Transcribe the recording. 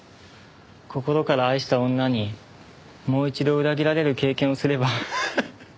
心から愛した女にもう一度裏切られる経験をすればハハッ！